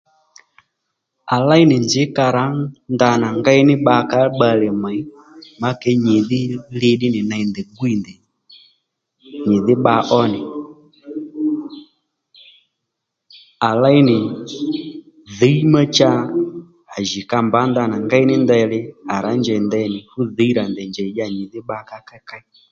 À léy nì nzǐ ka rǎ ndanà ngéy ní bbakǎ bbalè mèy má kě nyìdhí li ddí nì ney má ndèy gwǐy ndèy nyìdhí bba ó nì à léy nì dhǐ má cha à jì ka mbǎ ndanà ngéy ní ndeyli à rá njèy ndey nì fú dhǐy rà ndèy njèy ddíyà nyìdhí bbakǎ kéykéy